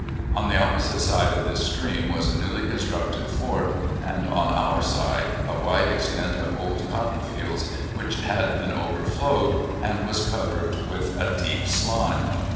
On the opposite side of this stream was a newly constructed fort, and on our side a wide extent of old cotton fields, which, had been overflowed, and was covered with a deep slime.